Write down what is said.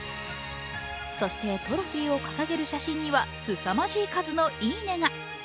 そして、トロフィーを掲げる写真にはすさまじい数のいいねが。